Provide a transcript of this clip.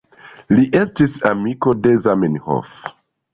Li estis amiko de Zamenhof.